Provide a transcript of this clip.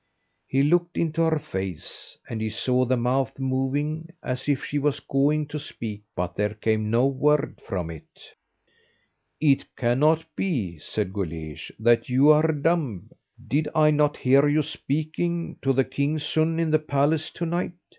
He looked into her face, and he saw the mouth moving as if she was going to speak, but there came no word from it. "It cannot be," said Guleesh, "that you are dumb. Did I not hear you speaking to the king's son in the palace to night?